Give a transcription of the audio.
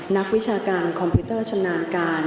วิชาการคอมพิวเตอร์ชำนาญการ